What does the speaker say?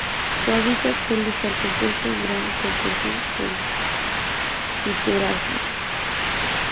Su hábitat suele estar compuesto en gran proporción por ciperáceas.